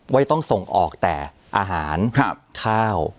ไม่ต้องส่งออกแต่อาหารข้าว